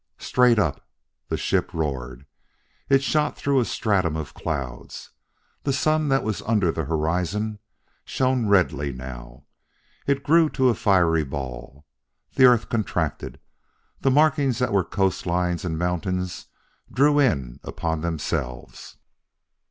Straight up, the ship roared. It shot through a stratum of clouds. The sun that was under the horizon shone redly now; it grew to a fiery ball; the earth contracted; the markings that were coastlines and mountains drew in upon themselves.